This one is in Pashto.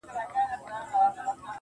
ه ټول ياران دې ولاړل له يارانو سره